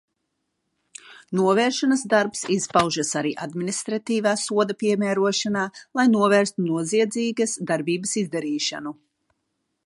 Novēršanas darbs izpaužas arī administratīvā soda piemērošanā, lai novērstu noziedzīgas darbības izdarīšanu.